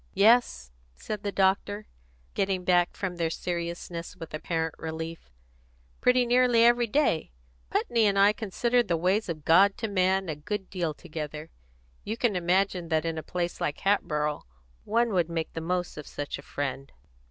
"Yes," said the doctor, getting back from their seriousness, with apparent relief. "Pretty nearly every day. Putney and I consider the ways of God to man a good deal together. You can imagine that in a place like Hatboro' one would make the most of such a friend.